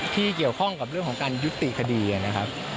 ที่เกี่ยวข้องกับเรื่องของการยุติคดีนะครับ